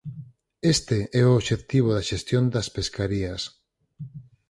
Este é o obxectivo da xestión das pescarías.